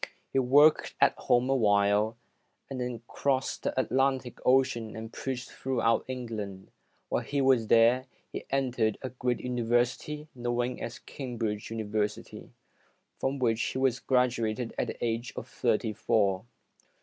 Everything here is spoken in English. He worked at home a while, and then crossed the Atlantic Ocean and preached throughout England. While he was there, he entered a great ALEXANDER CRUMMELL [265 university known as Cambridge University, from which he was graduated at the age of thirty four.